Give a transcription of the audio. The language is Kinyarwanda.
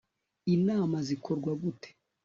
inama zikorwa gute